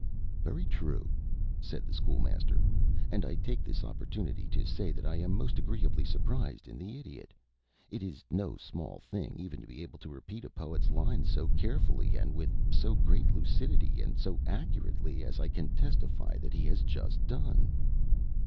"Very true," said the School Master, "and I take this opportunity to say that I am most agreeably surprised in the Idiot. It is no small thing even to be able to repeat a poet's lines so carefully, and with so great lucidity, and so accurately, as I can testify that he has just done."